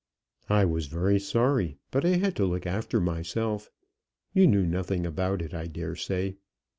"I was very sorry, but I had to look after myself. You knew nothing about it, I dare say."